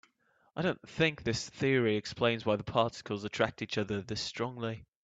I don't think this theory explains why the particles attract each other this strongly.